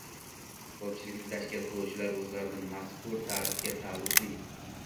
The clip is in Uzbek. ko‘pchilikni tashkil qiluvchilar o‘zlarini mazkur ta’rifga taalluqli